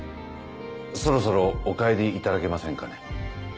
そろそろお帰りいただけませんかね？